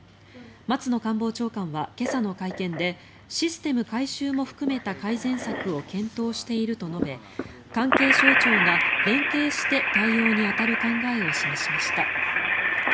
松野官房長官は今朝の会見でシステム改修も含めた改善策を検討していると述べ関係省庁が連携して対応に当たる考えを示しました。